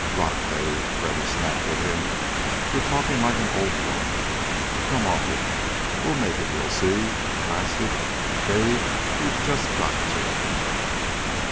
"Rot, Dave!" Freddy snapped at him. "You're talking like an old woman. Come off it. We'll make it, you'll see. Blast it, Dave, we've just got to!"